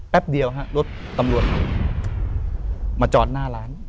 เดียวฮะรถตำรวจมาจอดหน้าร้าน